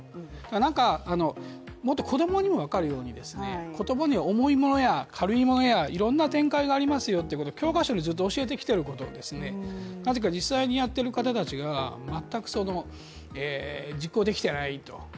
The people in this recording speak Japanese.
なんかもっと子供にも分かるように言葉には重いものや軽いものや、いろんな展開がありますよということ、教科書でずっと教えてきていることを、なぜか実際にやっている方たちが全く実行できていないと。